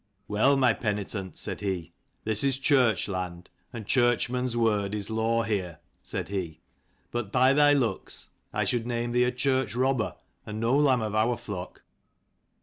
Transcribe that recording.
"Well, my penitent," said he, "this is church land, and churchman's word is law here," said he. " But by thy looks I should name thee a church robber, and no lamb of our flock.